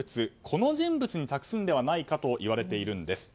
この人物に託すのではないかといわれているんです。